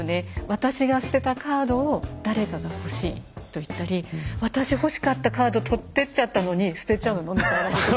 私が捨てたカードを誰かが欲しいと言ったり私欲しかったカード取ってっちゃったのに捨てちゃうの？みたいなことも。